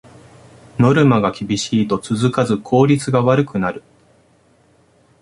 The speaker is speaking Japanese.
ノルマが厳しいと続かず効率が悪くなる